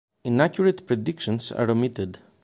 Inaccurate predictions are omitted.